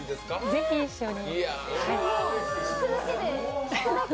ぜひ、一緒に。